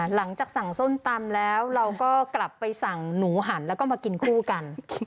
หลังจากสั่งส้มตำแล้วเราก็กลับไปสั่งหนูหันแล้วก็มากินคู่กัน